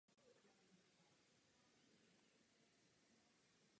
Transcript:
Tělesem měla být kamenná planetka.